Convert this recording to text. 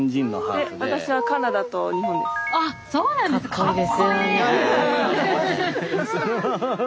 あっそうなんですかっこいい！